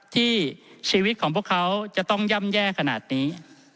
ที่ชีวิตของพวกเขาจะต้องย่ำแย่ขนาดนี้